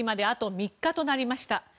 あと３日となりました。